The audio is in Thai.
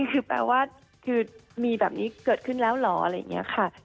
คือแปลว่าคือมีแบบนี้เกิดขึ้นแล้วเหรออะไรอย่างนี้ค่ะ